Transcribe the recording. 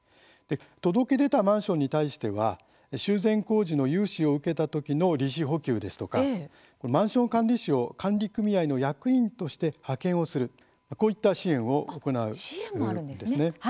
届け出たマンションに対しては修繕工事の融資を受けた時の利子補給ですとかマンション管理士を管理組合の役員として派遣をするこういった支援を行うんですね。